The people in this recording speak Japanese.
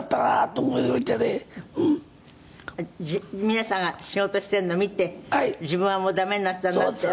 皆さんが仕事してるのを見て自分はもう駄目になったんだって思う。